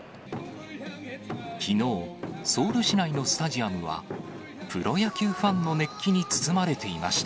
きのう、ソウル市内のスタジアムは、プロ野球ファンの熱気に包まれていました。